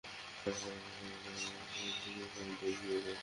তারা কড়া প্রহরা দেখে বহুদূর পর্যন্ত এগিয়ে যায়।